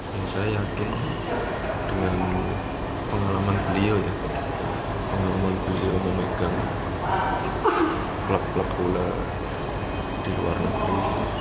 saya yakin dengan pengalaman beliau ya pengalaman beliau memegang klub klub bola di luar negeri